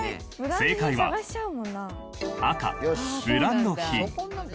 正解は赤ブランド品。